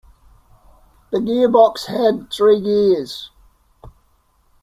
The gearbox had three gears.